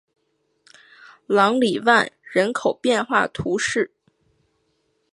朗里万人口变化图示